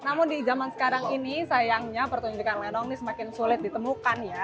namun di zaman sekarang ini sayangnya pertunjukan lenong ini semakin sulit ditemukan ya